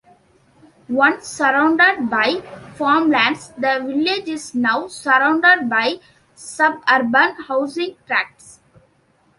Once surrounded by farmlands, the village is now surrounded by suburban housing tracts.